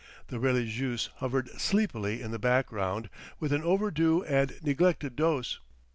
The religieuse hovered sleepily in the background with an overdue and neglected dose.